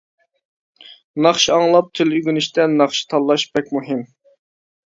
ناخشا ئاڭلاپ تىل ئۆگىنىشتە ناخشا تاللاش بەك مۇھىم.